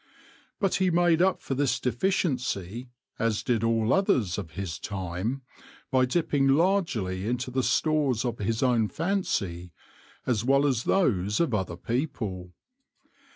But he made up for this deficiency, as did all others of his time, by dipping largely into the stores of his own fancy as well as those of other people.